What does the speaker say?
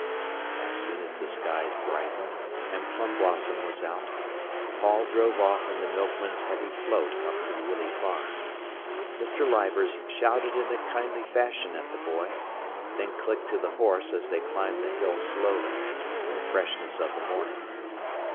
As soon as the skies brightened and plum blossom was out, Paul drove off in the milkman's heavy float up to Willey Farm. Mr. Leivers shouted in a kindly fashion at the boy, then clicked to the horse as they climbed the hill slowly, in the freshness of the morning.